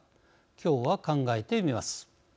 今日は考えてみます。